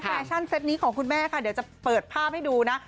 ชั่นเซ็ตนี้ของคุณแม่ค่ะเดี๋ยวจะเปิดภาพให้ดูนะ